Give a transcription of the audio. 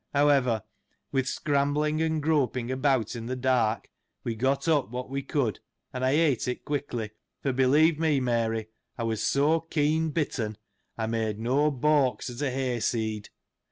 However, with scrambling, and groping about in the dark, we got up what we could, and I ate it quick ly, for, believe me, Mary, I was so keen bitten, I made no balks^ at a hay seed.